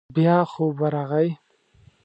بيا خوب ورغی.